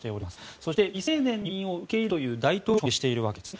そして、未成年の移民を受け入れるという大統領令に署名しているわけですね。